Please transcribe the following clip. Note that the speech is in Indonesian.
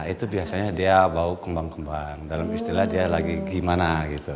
itu biasanya dia bau kembang kembang dalam istilah dia lagi gimana gitu